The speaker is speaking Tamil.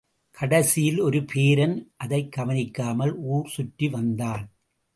கடைசியில் ஒருபேரன் அதைக் கவனிக்காமல் ஊர் சுற்றி வந்தான்.